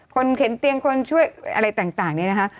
เข็นเตียงคนช่วยอะไรต่างเนี่ยนะคะ